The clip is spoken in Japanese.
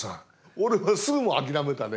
俺はすぐもう諦めたね。